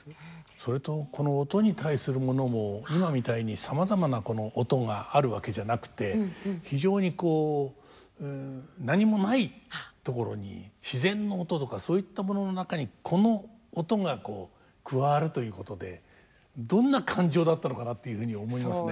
それとこの音に対するものも今みたいにさまざまなこの音があるわけじゃなくて非常にこう何もないところに自然の音とかそういったものの中にこの音が加わるということでどんな感情だったのかなっていうふうに思いますね。